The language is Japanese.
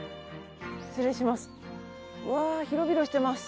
失礼します。